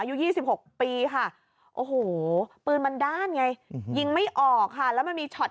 อายุ๒๖ปีค่ะโอ้โหปืนมันด้านไงยิงไม่ออกค่ะแล้วมันมีช็อต